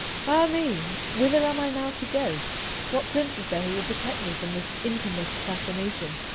Ah me! whither am I now to go? What prince is there who will protect me from this infamous assassination?